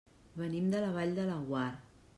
Venim de la Vall de Laguar.